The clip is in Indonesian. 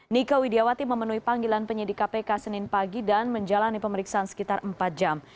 nika widiawati memenuhi panggilan penyidik kpk senin pagi dan menjalani pemeriksaan sekitar empat jam